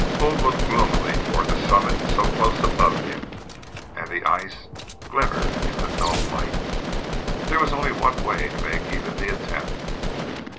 Bull looked gloomily toward the summit so close above him, and the ice glimmered in the dull light. There was only one way to make even the attempt.